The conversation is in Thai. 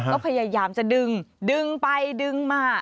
ก็พยายามจะดึงดึงไปดึงมา